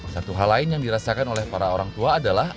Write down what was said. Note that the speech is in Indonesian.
satu hal lain yang dirasakan oleh para orang tua adalah